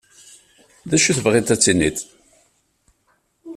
D acu tebɣiḍ ad d-tiniḍ?